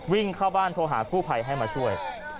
วิ่งเข้าบ้านโทรหากู้ภัยให้มาช่วย